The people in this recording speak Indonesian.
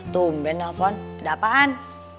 tumben nelfon ada apaan